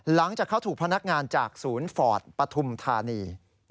หลังจากเขาถูกพนักงานจากศูนย์ฟอร์ตปฐุมธานี